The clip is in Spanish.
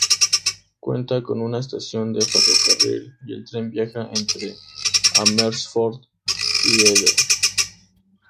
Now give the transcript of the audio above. Cuenta con una estación de ferrocarril y el tren viaja entre Amersfoort y Ede.